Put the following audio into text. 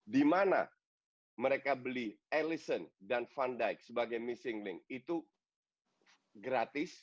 dimana mereka beli ellison dan van dijk sebagai missing link itu gratis